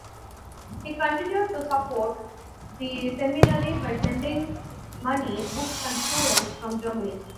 He continued to support the seminary by sending money, books, and students from Germany.